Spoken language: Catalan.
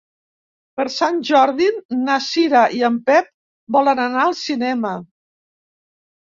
Per Sant Jordi na Cira i en Pep volen anar al cinema.